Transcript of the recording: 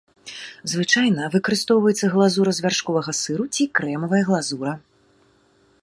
Звычайна выкарыстоўваецца глазура з вяршковага сыру ці крэмавая глазура.